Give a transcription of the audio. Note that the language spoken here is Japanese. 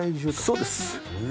そうです。